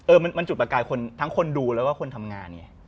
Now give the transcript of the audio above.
มันจุดประกายคนทั้งคนดูแล้วก็คนทำงานไง